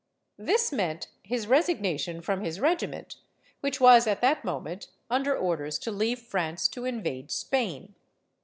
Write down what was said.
This meant his resigna tion from his regiment, which was at that moment un der orders to leave France to invade Spain.